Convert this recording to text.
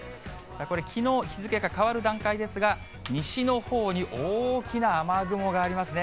これ、きのう、日付が変わる段階ですが、西のほうに大きな雨雲がありますね。